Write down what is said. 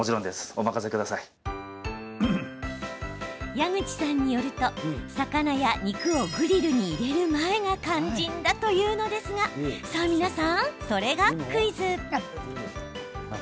矢口さんによると魚や肉をグリルに入れる前が肝心だというのですがそれがクイズ。